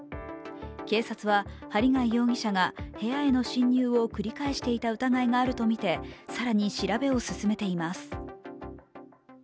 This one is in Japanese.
警察は針谷容疑者が部屋への侵入を繰り返していた疑いがあるとみて、更に調べを進めています。